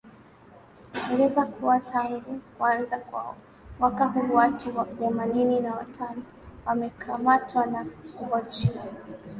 ngeza kuwa tangu kuanza kwa mwaka huu watu themanini na watano wamekamatwa na kuhojiwa